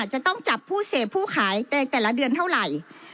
จะต้องจับผู้เสพผู้ขายในแต่ละเดือนเท่าไหร่